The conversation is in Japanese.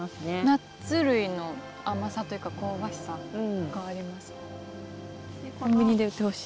ナッツ類の甘さというか香ばしさがあります。